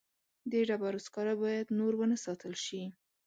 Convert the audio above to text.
د ډبرو سکاره باید نور ونه ساتل شي.